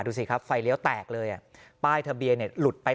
ดูสิครับไฟเลี้ยวแตกเลยป้ายเทอร์เบียนลุดไป